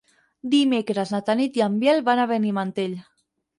Dimecres na Tanit i en Biel van a Benimantell.